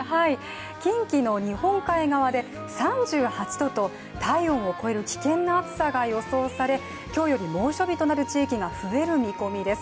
近畿の日本海側で３８度と、体温を超える危険な暑さが予想され今日より猛暑日となる地域が増える見込みです。